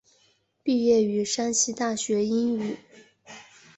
毕业于山西大学英语。